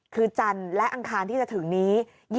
คือจันทร์และอังคารที่จะถึงนี้